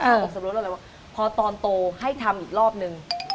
เอาบอกสับปะรสมากพอตอนโตให้ทำอีกรอบนึง